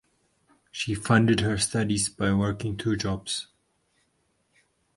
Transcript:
She funded her studies by working two jobs.